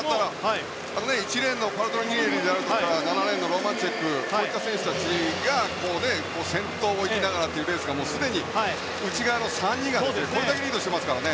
１レーンのパルトリニエリや７レーンのロマンチュクなどこういった選手たちが先頭を行きながらというレースがすでに、内側の３人がこれだけリードしてますからね。